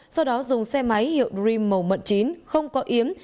sau đó dùng xe máy hiệu dream màu mận chín không có yếm